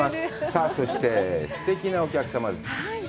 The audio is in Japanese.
さあそしてすてきなお客様です。